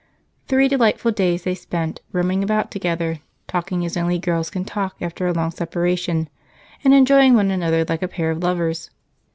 Three delightful days they spent, roaming about together, talking as only girls can talk after a long separation, and enjoying one another like a pair of lovers.